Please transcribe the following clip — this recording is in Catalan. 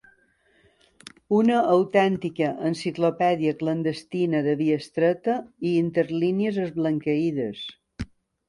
Una autèntica enciclopèdia clandestina de via estreta i interlínies esblanqueïdes.